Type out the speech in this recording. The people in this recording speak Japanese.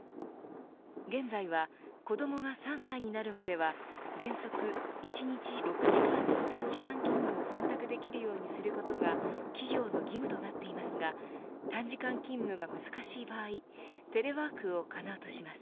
現在は子どもが３歳になるまでは原則、１日６時間の短時間勤務も選択できるようにすることが企業の義務となっていますが短時間勤務が難しい場合テレワークを可能とします。